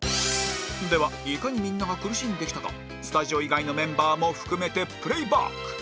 ではいかにみんなが苦しんできたかスタジオ以外のメンバーも含めてプレイバック